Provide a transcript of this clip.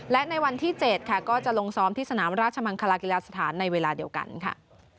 และในวันที่๗ค่ะก็จะลงซ้อมที่สนามราชมังคลากีฬาสถานในเวลาเดียวกันค่ะ